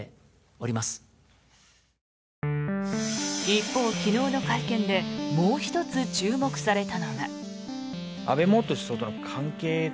一方、昨日の会見でもう１つ注目されたのが。